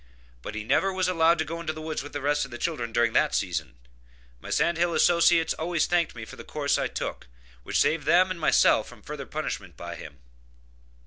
But he never was allowed to go into the woods with the rest of the children during that season. My sand hill associates always thanked me for the course I took, which saved them and myself from further punishment by him.